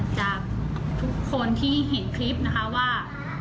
จากทุกคนที่เห็นคลิปนะคะว่า